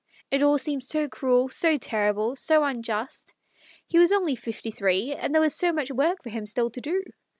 It all seems so cruel, so terrible, so unjust. He was only fifty three, and there was so much work for him still to do.